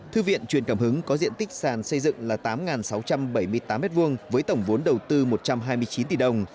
thư viện truyền cảm hứng có diện tích sàn xây dựng là tám sáu trăm bảy mươi tám m hai với tổng vốn đầu tư một trăm hai mươi chín tỷ đồng